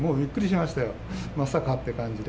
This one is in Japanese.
まさかって感じで。